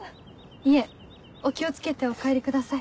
いえお気を付けてお帰りください。